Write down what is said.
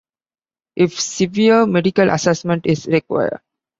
If severe, medical assessment is required.